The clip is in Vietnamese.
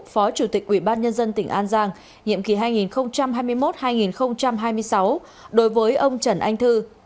phó chủ tịch ủy ban nhân dân tỉnh an giang nhiệm kỳ hai nghìn hai mươi một hai nghìn hai mươi sáu đối với ông trần anh thư